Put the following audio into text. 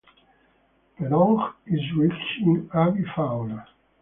Pedong is rich in avifauna.